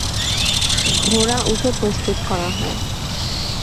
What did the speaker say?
ঘোড়া, উটও প্রস্তুত করা হয়।